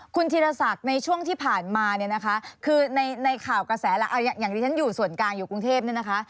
คุณธีรศักดิ์ในช่วงที่ผ่านมาเนี่ยนะคะคือในข่าวกระแสหลักอย่างที่ฉันอยู่ส่วนกลางอยู่กรุงเทพเนี่ยนะคะ